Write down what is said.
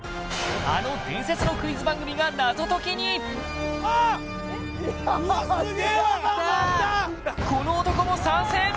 あの伝説のクイズ番組が謎解きにこの男も参戦！